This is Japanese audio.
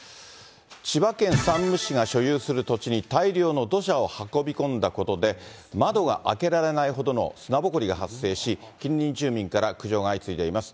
千葉県山武市が所有する土地に、大量の土砂を運び込んだことで、窓が開けられないほどの砂ぼこりが発生し、近隣住民から苦情が相次いでいます。